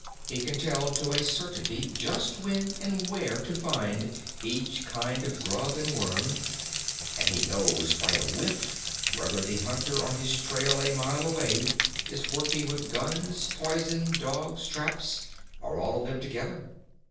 He can tell to a certainty just when and where to find each kind of grub and worm, and he knows by a whiff whether the hunter on his trail a mile away is working with guns, poison, dogs, traps, or all of them together.